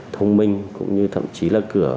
thông minh cũng như thậm chí là cửa